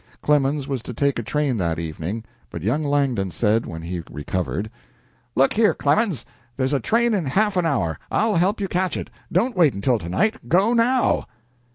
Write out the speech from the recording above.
Clemens was to take a train that evening, but young Langdon said, when he recovered: "Look here, Clemens, there's a train in half an hour. I'll help you catch it. Don't wait until tonight; go now!"